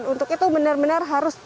untuk itu benar benar harus